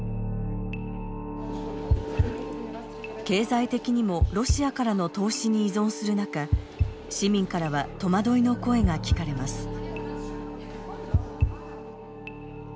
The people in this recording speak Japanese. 経済的にもロシアからの投資に依存する中市民からは戸惑いの声が聞かれます。